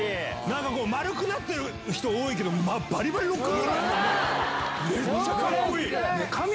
なんかこう、丸くなっている人多いけど、バリバリ、ロック。